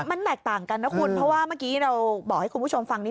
มันแตกต่างกันนะคุณเพราะว่าเมื่อกี้เราบอกให้คุณผู้ชมฟังนี้